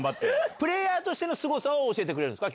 プレーヤーとしてのすごさを教えてくれるんですか？